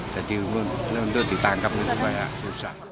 jadi untuk ditangkap itu banyak usah